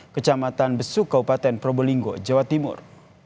kecamatan besu kaupaten probolinggo jawa timur